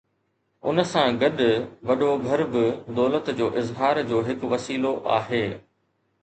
ان سان گڏ وڏو گهر به دولت جي اظهار جو هڪ وسيلو آهي.